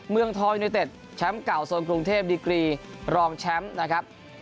เมืองทองยูเนเต็ดแชมป์เก่าโซนกรุงเทพดีกรีรองแชมป์นะครับ